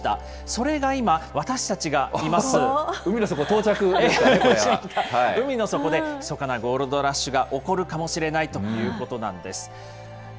それが今、私たちがいます、海の底でひそかなゴールドラッシュが起こるかもしれないということなんです。